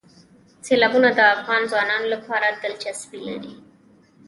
سیلابونه د افغان ځوانانو لپاره دلچسپي لري.